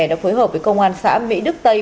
đã phối hợp với công an xã mỹ đức tây